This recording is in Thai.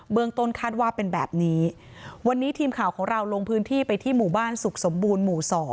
ต้นคาดว่าเป็นแบบนี้วันนี้ทีมข่าวของเราลงพื้นที่ไปที่หมู่บ้านสุขสมบูรณ์หมู่๒